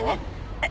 えっ？